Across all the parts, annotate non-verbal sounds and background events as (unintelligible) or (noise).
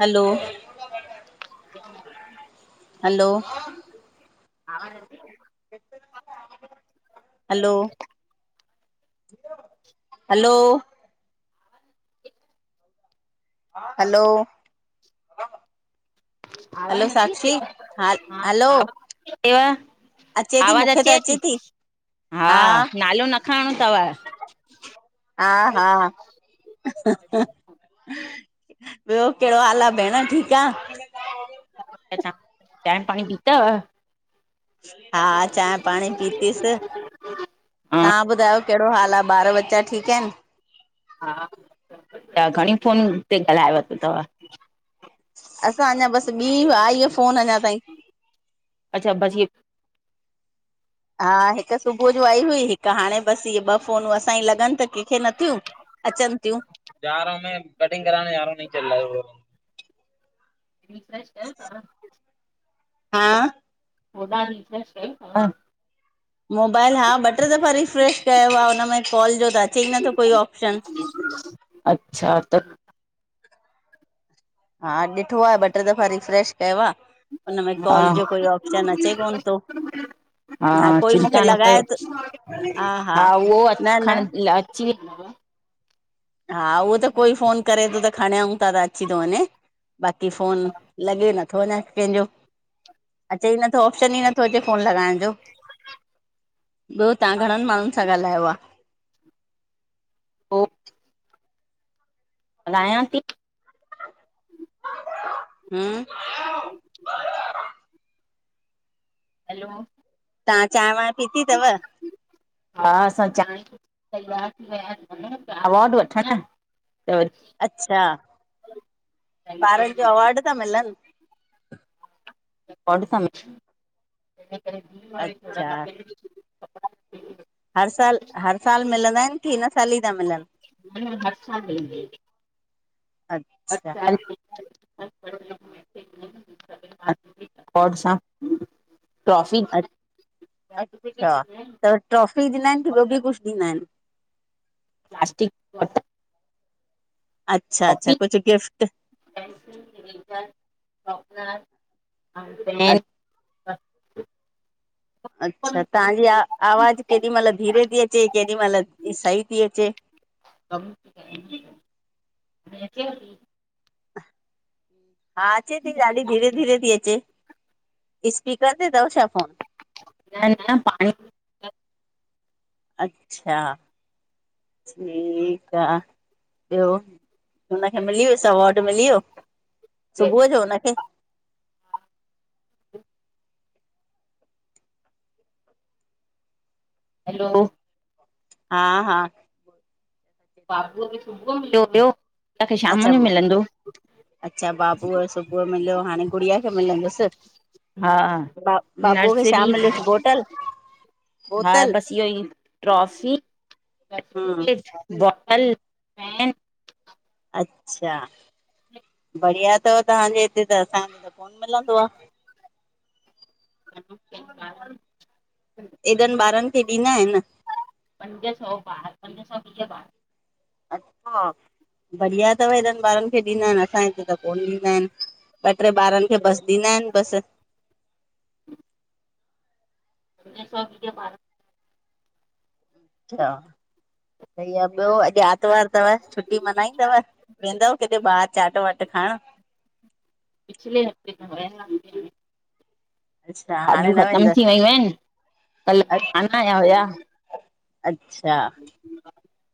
हलो हलो (unintelligible) आवाज अचे थी? हलो हलो हलो आवाज़ हलो न थी साक्षी अचेव? हलो हा (unintelligible) अचे थी आवाज़ मूंखे त अचे थी, हा नालो न खणो तव हा हा ॿियो कहिड़ो हाल आ भेण, ठीकु आ चांहि पाणी पीतव हा, चांहि पाणी पीतीसि हा तव्हां ॿुधायो कहिड़ो हाल आ? ॿार ॿच्चा ठीकु आहिनि? हा, तव्हां घणयुनि फोन ते ॻाल्हायो तव? असां अञां बसि ॿी आई आहे फोन अञां ताईं अच्छा (unintelligible) हा हिकु सुबह जो आई हुई हिकु हाणे बसि इहे ॿ फोनूं, असांजूं लॻनि त कंहिंखे नथियूं अचनि थियूं, जा रहा हूं में कटिंग कराने जा रहा नहीं चल रहा वो रिफ्रेश कयो तव? हा होॾां रिफ्रेश कयो तव? मोबाइल, हा ॿ टे दफ़ा रीफ्रेश कयो आए उन में कॉल जो त अचे ई नथो कोई ऑप्शन अच्छा त हा ॾिठो आहे, ॿ टे दफ़ा रिफ्रेश कयो आहे हुनमें हा कॉल जो कोई ऑप्शन अचे कोन थो हा कोई मूंखे चिंता न लॻाए कयो थो हा उहो अ न न खण अची वेंदो आ न हा उहो त कोई फ़ोन करे तो त खणयऊं तर अची तो वञे बाक़ी फ़ोन लॻे न थो अञा कंहिंजो अचे ई नथो ऑप्शन ई नथो अचे फ़ोन लॻाइण जो ॿियो तां घणनि माण्हुनि सां ॻाल्हायो आ ओ हलायां ती हम्म हलो तां चाय वाय हा असां चाय तैयार (unintelligible) अवॉड वठण त अच्छा ॿारनि जो अवार्ड अवॉर्ड ता मिलनि अच्छा (inaudible) हर साल हर साल मिलंदा आइनि की हिन साल ई ता मिलनि हर साल मिलंदा अच्छा आइनि हर साल मिलंदा आइनि (inaudible) अ अच्छा त ट्रॉफ़ी ॾींदा आइनि की ॿियो बि कुछ ॾींदा आइनि प्लास्टिक वठ अच्छा अच्छा कुझु गिफ्ट (unintelligible) अ (inaudible) अच्छा बचपन तांजी आ आवाज केॾी महिल धीरे ती अचे केॾी महिल सही ती अचे (unintelligible) हा अचे ती ॾाढी धीरे धीरे ती अचे इस्पीकर ते तव छा फोन न न पाणी अच्छा ठीकु आ ॿियो उनखे मिली वियस अवॉड मिली वियो सुबुह जो उनखे हलो हा हा बाबूअ खे सुबुयो मिलियो हुयो तांखे अच्छा शाम जो मिलंदो अच्छा बाबूअ यो सुबुह मिलियो, हाणे गुड़ियाअ खे मिलंदसि हा बा बाबूअ खे छा नर्सरी मिलियसि? बोटल? हा बोतल बस इओ ई ट्रॉफ़ी हम्म (unintelligible) हल ऐं अच्छा बढ़िया थव तव्हांजे हिते त असांखे त कोन मिलंदो आ (inaudible) एॾनि ॿारनि खे ॾींदा आइनि पंज सौ ॿार पंज सौ वीय ॿार अच्छा! बढ़िया थव हेॾनि ॿारनि खे ॾींदा आइनि असांए हिते त कोन ॾींदा आइनि। ॿ ट्रे ॿारनि खे बसि ॾींदा आइनि बसि (inaudible) ऐं सौॻी भार अच्छा सही आ ॿियो अॼु आरतवार थव छुटी मल्हाईंदव वेंदव किथे ॿाहिर चाट वाट हें पिछले हफ़्ते त विया वासी अच्छा भाॼियूं हाणे न ख़तम वेंदव थी वयूं आइनि। कल अ कान आया हुया? अच्छा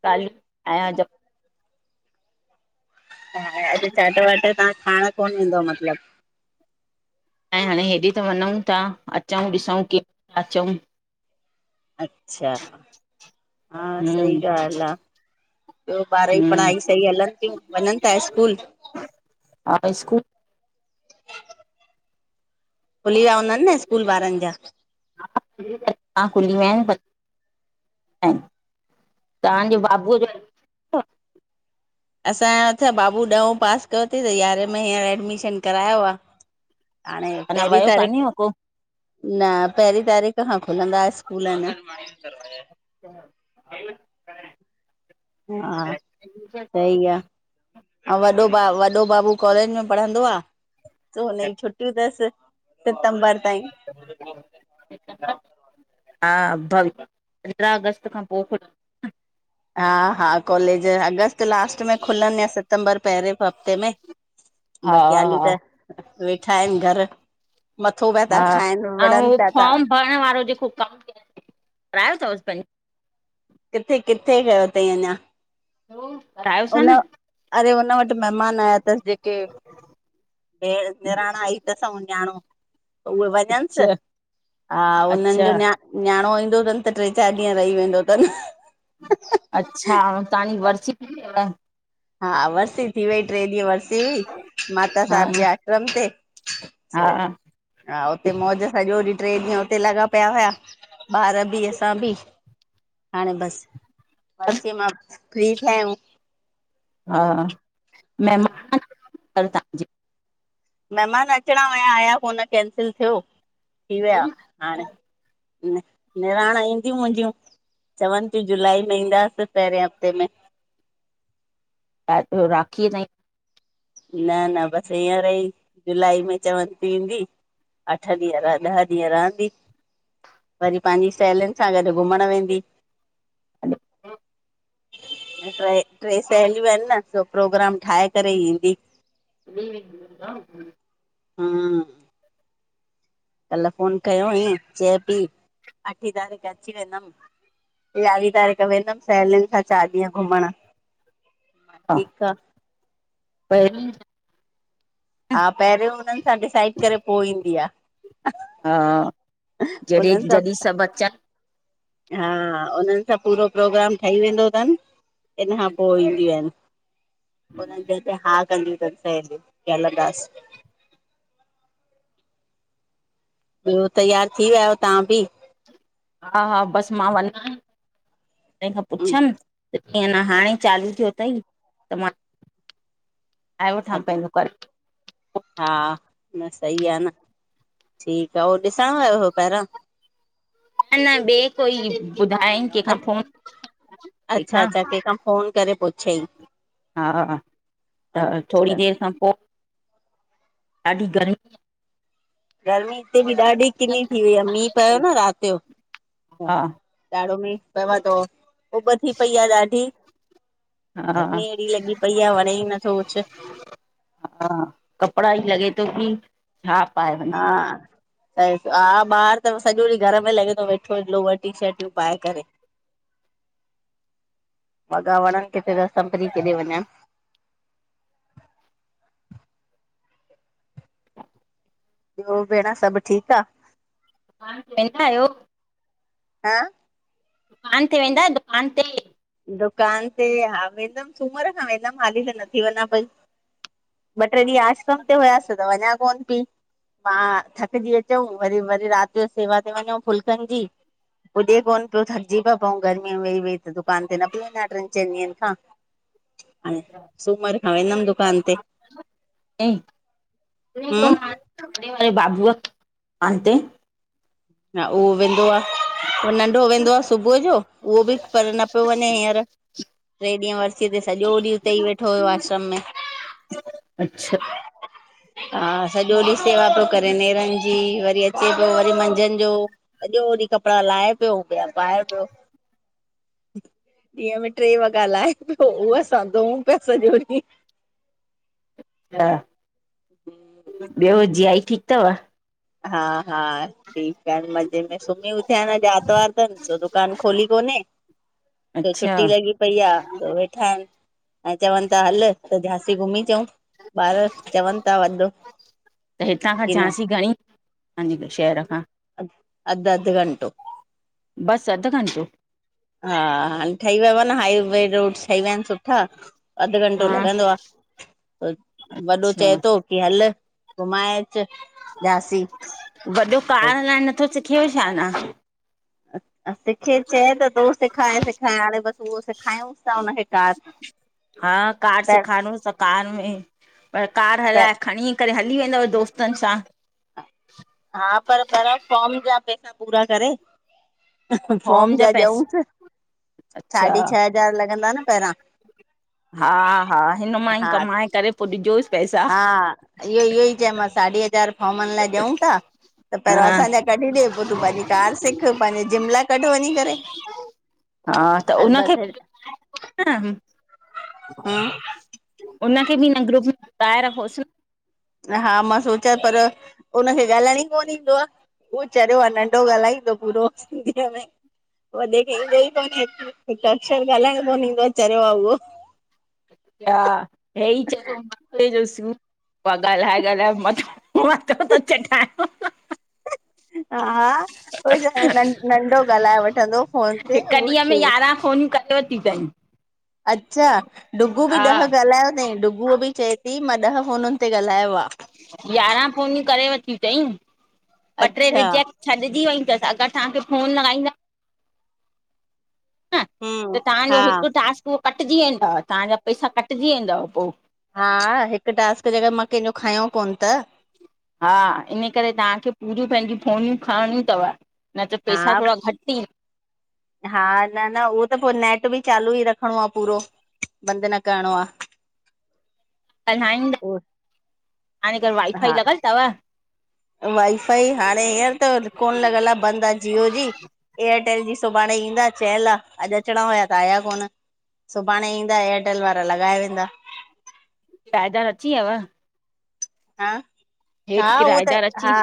ॻाल्हियूं आया जो ऐं अॼु चाट वाट तां खाइण कोन विंदो मतलबु ऐं हाणे हेॾे त वञउं था अचंऊ ॾिसंऊ की अचंऊ अच्छा हा सही हम्म ॻाल्हि आ ॿियो ॿार ई हम्म पढ़ाई सही हलनि थियूं वञनि था स्कूल हा स्कूल खुली विया हूंदा न स्कूल ॿारनि जा हा खुली विया आहिनि तव्हांजे बाबूअ जो असांयो छा बाबू ॾहों पास कयो थई त यारहें में हींअर एडमिशन करायो आ हाणे अञा पहिरी वियो तारीख़ कान्हे को न पहिरी तारीख़ खां खुलंदा स्कूल में (inaudible) हा सही आ अऊ वॾो भा वॾो बाबू कॉलेज में पढ़ंदो आ। सो हुनयू छुटीयूं तस सितम्बरु (inaudible) हा भई पंद्रहं अगस्त खां पोइ खुल हा हा कॉलेज अगस्तु लास्ट में खुलनि या सितंबर पहिरें हफ़्ते में हा बाक़ी हाली हा त वेठा आहियुं घर मथो पिया था हा खाइनि ऐं विढ़नि उहो पिया था। फॉर्म भरण (unintelligible) किथे किथे कयो तई अञा। (unintelligible) उन न? अरे उन वटि मेहमान आया थस जेके निराणु आई तसि ऐं न्यााणो उहे वञंसि अच्छा हा हुन्हनि अच्छा जो न्या न्याणो ईंदो थन त ट्रे चार ॾींहु रई वेंदो तन। अच्छा ऐं तव्हांजी वरसी हा हा वर्सी थी वई ट्रे ॾींहु हुअसि हुई माता साहिब जे हा आश्रम ते सो हा हा हुते मौज सॼो ॾींहु ट्रे ॾींहु हुते लॻा पिया हुया ॿार बि, असां बि, हाणे बसि। वर्सीय मां फ्री थ्या आयूं हा मेहमान तव्हांजी। मेहमान अचणा वया आया कोन कैंसिल थियो, थी विया हाणे निराण ईंदियूं मुंहिंजियुं चवनि थियूं जुलाई में ईंदासीं पहिरिये हफ़्ते में। ऐं पै राखीअ ताईं न न बसि हींअर ई जुलाई में चवनि थी ईंदी अठ ॾींहु रह ॾह ॾींहु रहंदी वरी पंहिंजी सहेलीयुनि सां गॾु घुमण वेंदी ट्रे ट्रे सहेलियूं आहिनि न पो प्रोग्राम ठाहे करे ईंदी (unintelligible) हम कल् फोन कयो वई चए पई अठी तारीख़ अची वेंदमि। यारहीं तारीख़ वेंदमि सहेलियुनि खां चार ॾींहं घुमण। ठीक आ। (unintelligible) हा पहिरियों हुननि डिसाइड करे पो ईंदी आ, हा जॾहिं हुननि सभ जॾहिं सभु अचनि हा उन्हनि सां पूरो प्रोग्राम ठही वेंदो थन हुनखां पो ईंदियूं आहिनि। उनंद (unintelligible) हां कंदी तस की हलंदास। ॿियो तियार थी विया आहियो तव्हां बि। हा हा बसि मां वञा तंहिं खां पुछियमि। ई न हाणे चालू थियो अथई त मां आयोठां पंहिंजो करे। हा न सही आहे न। ठीकु आहे उह ॾिसण वार हुयो पहिरयो न न ॿि कोई ॿुधायई कंहिंखा फोन ठीक अच्छा अच्छा आहे। कंहिंखां फ़ोन करे पुछयहि हा त थोड़ी देर खां पो। अयं ॾाढी गरमी। गर्मी हिते बि ॾाढी किनी थी वई आहे मीअ पियो न राति ॼो। हा ॾाडो मीअ पयो आहे (unintelligible) उॿ थी वयी आहे ॾाडी। हा गर्मी हा अहिड़ी लॻी पई आहे वणे ई नथो कुछ। हा कपिड़ा ई तो ह छा पाए वञ हा हा ॿार त सॼो ॾींहुं घर में लॻे थो वेठो लोवर टीशर्टियूं पाए करे। (inaudible) वॻा वणनि किथे सभु केॾे वञा। ॿियो भेण सभु ठीकु आ। (unintelligible) हा दुकान ते वेंदा दुकान ते। दुकान ते हा वेंदमि सूमर खां वेंदमि हाली त न थी वञा पई। ॿ ट्रे ॾींहं आश्रम ते हुयासीं त वञा कोन पई। मां थकजी अचूं वरी वरी राति जो सेवा ते वञूं फुल्कनि जी। पुॾे कोन पियो थकिजी पिया पऊं गर्मी वेई वेई त। (unintelligible) ते नथी वञा ट्रिन चईंन ॾियन खां। हाणे सूमर खां वेंदमि दुकान ते। हम्म बाबू (unintelligible) हा उहो वेंदो आहे नंढो वेंदो आहे सुबुह जो उहो बि करें न पियो वञे हींअर। ट्रे ॾींहं वरसी ते सॼो ॾींहुं उते ई वेठो हुयो आश्रम में। अच्छा हा सॼो ॾींहुं सेवा पियो करे नेरनि जी वरी अचे पियो वरी मंझन। सॼो ॾींह कपड़ा लाहे पियो ॿिया पाए पियो। ॾींहं में ट्रे वॻा लाहे पियो उहो असां धोऊं पया सॼो ॾींह। (unintelligible) ॿियो जीजाजी ठीक तव। हा हा ठीकु आहिन मज़े में सुम्ही उथिया न आरतवार अथनि दुकानु खोली कोन्हे। त अच्छा छुटी लॻी पई आहे त वेठा आहिनि। ऐं चवनि था हल त झांसी घुमी अचऊूं ॿार चवनि था (unintelligible) त हितां खां की न झांसी घणी (unintelligible) शहरखां अध अध घंटो बस अध घन्टो हा हाणे ठही वियो आहे न हाईवे रोड्स ठही विया आहिनि सुठा। अधु घंटो हा लॻंदो आहे वॾो अच्छा चए थो की हल घुमाए। झांसी। पाड़ हला ऐड़ नथो सिखेव छा अना। सिखे चई त तो सेखार सेखारां हाणे बसि उहो सेखायूस था हुनखे कार हा कार त सैखारूस त कार में। पर कार त हलाए खणी करे हली वेंदव दोस्तनि सां। हा पर कराए फॉर्म जा पैसा पूरा करे। फॉम होम जा पैसा ॾऊस साढी अच्छा छह हज़ार लॻंदा न पहिरां। हा हा हिन मां ई हा कमाए करे पोइ ॾिजोसि पैसा हा इहो इहो ई चयोमांसि साढी हज़ार फॉर्म लाइ ॾियूं था। त हा पहिरों असांजा कढी ॾे पोइ तूं पंहिंजी कार सिख पंहिंजे जिम लाइ कढु वञी करे। हा त हाणे हुनखे बसि हा (unintelligible) हुननखे बि हिन ग्रुप में (unintelligible) रखोसि हा मां सोचां पर हुननखे ॻाल्हाइण ई कोन ईंदो आहे उहो चरियो आहे नंढो ॻाल्हाईंदो पूरो सिंधीअ में वधीक ईंदो ई कोन हिकु अक्षर ॻाल्हाइण कोन ईंदो आहे चरियो आहे उहो। न हा हे ई चए थो मथे जो ॻाल्हाए ॻाल्हाए मथो मथो तो चटाए। हा हा उई त नंढो ॻाल्हाए वठंदो फ़ोन ते हिक उहो ॾींहं में चे। यारहं (unintelligible) अच्छा डुगू बि हा ॾह ॻाल्हायो अथई डुगू बि। चए थी मां ॾह फ़ोनुनि ते ॻाल्हायो आ। यारहां फोनियूं करे वठियूं अथई ॿ टे अच्छा रिजेक्ट छॾिजी वई। अगर तव्हांजो फोन न आयी ना। (unintelligible) (unintelligible) हम्म तव्हांजो हा हिकु टास्क उहो कटिजी वेंदव तव्हांजा पैसा कटिजी वेंदव पो। हा हिकु टास्क जे अगर मां कंहिंजो खयों कोन्ह त। हा इन करे तव्हांखे पूरियूं पंहिंजी फोनियूं खणणियूं थव। न त हा पैसा थोड़ा घटि ई। हा न न उहो त पो नेट बि चालू ई रखड़ो आहे पूरो। बंद न करड़ो आ। ओ (unintelligible) घर वाइ फाइ हा लॻल थव। वाईफाई हाणे हींअर त कोन लॻल आहे बंदि आहे जिओ जी एयर। (unintelligible) जी सुभाणे ईंदा चयल आहे अॼु अचणा हुया त आया कोन। सुभाणे ईंदा एयरटेल वारा लॻाए वेंदा। (unintelligible) अची यव। हा हा उ त किराएदार अची हा।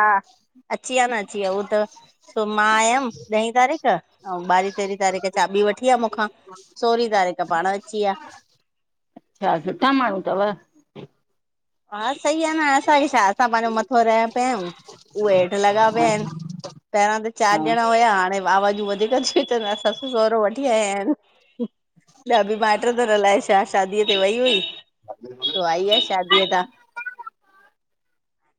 अची विया न अची विया उहो त सो मां आयमि ॾहीं तारीख़ ऐं ॿारहीं तेरहीं तारीख़ चाॿी। (unintelligible) वठी आ आहे मूंखां सोरहीं तारीख पाण अची या अच्छा सुठा माण्हू थव। हा सही आहे न असांखे छा असां पंहिंजो मथो रहया पिया आहियूं उहे हेठि लॻा पिया आहिनि। पहिरां त चार हा ॼणा हुया हाणे आवाजूं वधीक थी वियूं अचनि ससु सहुरो वठी आया आहिनि। (inaudible) ॾबी माइट तन अलाए छा शादीअ ते वई हुई तो आई आहे शादी। (unintelligible)